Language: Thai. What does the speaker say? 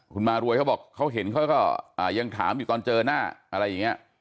คุณมารวยเขาบอกเขาเห็นเขาก็ยังถามอยู่ตอนเจอหน้าอะไรอย่างนี้